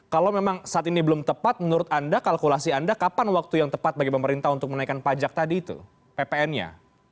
kalau memang saat ini belum tepat menurut anda kalkulasi anda kapan waktu yang tepat bagi pemerintah untuk menaikkan pajak tadi itu ppn nya